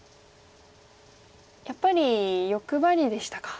やっぱり欲張りでしたか。